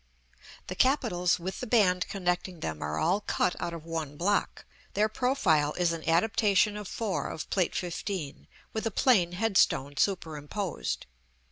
The capitals, with the band connecting them, are all cut out of one block; their profile is an adaptation of 4 of Plate XV., with a plain headstone superimposed.